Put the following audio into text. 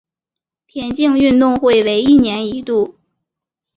田径运动会为一年一度。